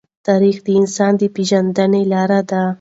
تاریخ د انسان د پېژندنې لار دی.